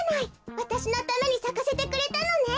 わたしのためにさかせてくれたのね。